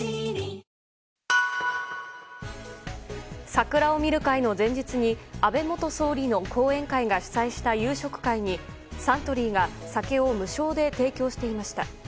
桜を見る会の前日に安倍元総理の後援会が主催した夕食会にサントリーが酒を無償で提供していました。